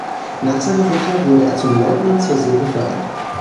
Nach seiner Rückkehr wurde er zum Leutnant zur See befördert.